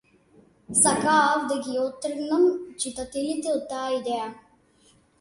Сакаав да ги оттргнам читателите од таа идеја.